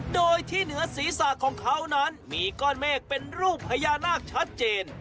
โดยที่เหนือศีรษะของเขานั้นมีก้อนเมฆเป็นรูปพญานาคชัดเจน